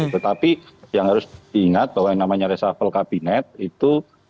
tetapi yang harus diingat bahwa yang namanya reshuffle kabinet itu